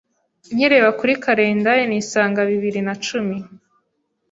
nkireba kuri calendare nisanga bibiri na cumi